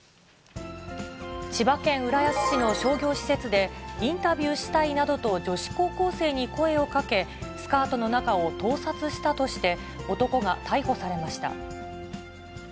千葉県浦安市の商業施設で、インタビューしたいなどと女子高校生に声をかけ、スカートの中を盗撮したとして、男が逮捕されました。